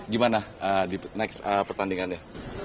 gimana next pertandingannya